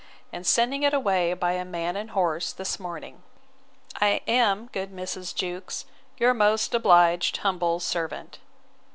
and sending it away by a man and horse, this morning. I am, good Mrs. Jewkes, 'Your most obliged humble servant.